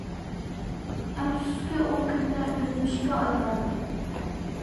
ئەپسۇسكى، ئۇ كۈنلەر ئۆتمۈشكە ئايلاندى.